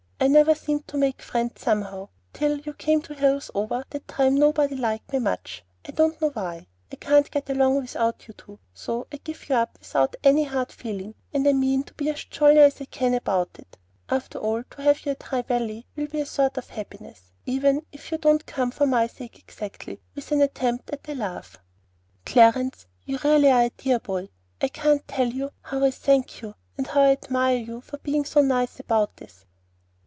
I never seemed to make friends, somehow. Till you came to Hillsover that time nobody liked me much; I don't know why. I can't get along without you two; so I give you up without any hard feeling, and I mean to be as jolly as I can about it. After all, to have you at the High Valley will be a sort of happiness, even if you don't come for my sake exactly," with an attempt at a laugh. "Clarence, you really are a dear boy! I can't tell you how I thank you, and how I admire you for being so nice about this."